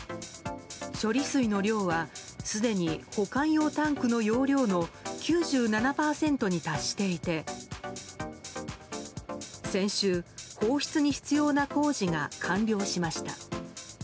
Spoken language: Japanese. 処理水の量はすでに保管用タンクの容量の９７％に達していて先週、放出に必要な工事が完了しました。